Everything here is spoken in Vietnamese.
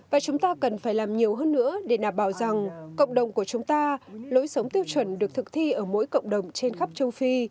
và chúng ta cần phải làm nhiều hơn nữa để nạp bảo rằng cộng đồng của chúng ta lối sống tiêu chuẩn được thực thi ở mỗi cộng đồng trên khắp châu phi